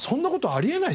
あり得ない。